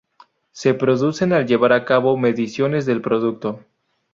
Se producen al llevar a cabo mediciones del producto.